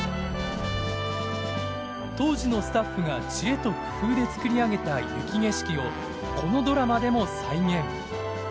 当時のスタッフが知恵と工夫で作り上げた雪景色をこのドラマでも再現。